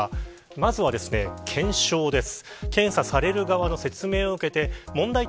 まずは検証です。